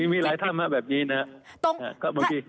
มีหลายท่านแบบนี้นะครับ